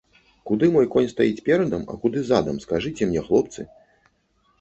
Куды мой конь стаіць перадам, а куды задам, скажыце мне, хлопцы?